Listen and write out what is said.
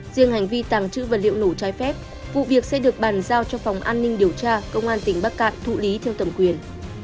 riêng hành vi tàng trữ vật liệu nổ trái phép vụ việc sẽ được bàn giao cho phòng an ninh điều tra công an tỉnh bắc cạn thụ lý theo thẩm quyền